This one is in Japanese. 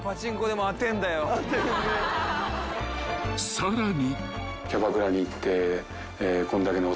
［さらに］